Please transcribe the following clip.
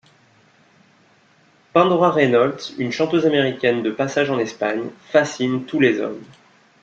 Pandora Reynolds, une chanteuse américaine de passage en Espagne, fascine tous les hommes.